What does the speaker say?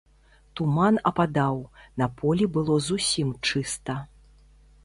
Туман ападаў, на полі было зусім чыста.